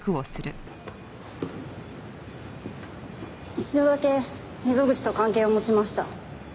一度だけ溝口と関係を持ちました。